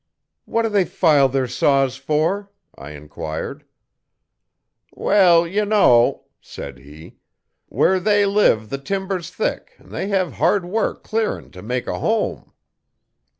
'What do they file their saws for?' I enquired. 'Well, ye know,' said he, 'where they live the timber's thick an' they hev hard work clearin' t' mek a home.'